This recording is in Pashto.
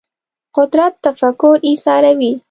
قدرت تفکر ایساروي